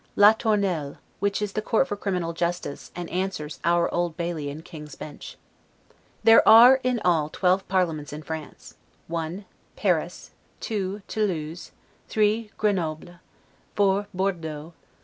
'La Tournelle', which is the court for criminal justice, and answers to our Old Bailey and King's Bench. There are in all twelve parliaments in France: 1. Paris 2. Toulouse 3. Grenoble 4. Bourdeaux 5.